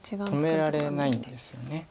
止められないんですよね。